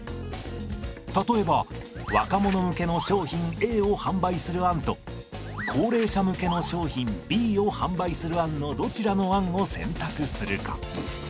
例えば若者向けの商品Ａを販売する案と高齢者向けの商品Ｂを販売する案のどちらの案を選択するか。